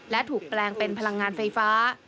และถูกแปลงเป็นพลังงานไฟฟ้า